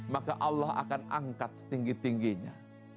maka allah akan angkat setinggi tingginya